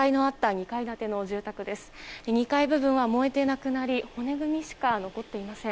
２階部分は燃えてなくなり骨組みしか残っていません。